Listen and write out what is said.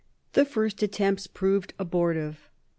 The first attempts proved abortive.